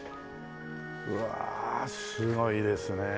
うわすごいですねえ。